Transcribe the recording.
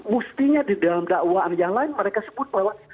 mestinya di dalam dakwaan yang lain mereka sebut bahwa